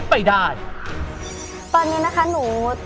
โปรดติดตามต่อไป